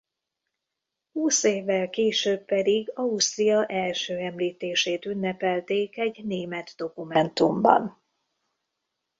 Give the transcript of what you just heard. Húsz évvel később pedig Ausztria első említését ünnepelték egy német dokumentumban.